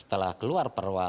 kita akan melakukan perlawanan